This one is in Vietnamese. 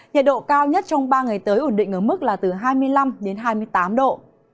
nhiệt độ cao nhất trong ba ngày tới ổn định ở mức là từ hai mươi năm đến hai mươi tám độ